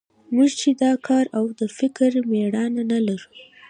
موږ چې د کار او د فکر مېړانه نه لرو.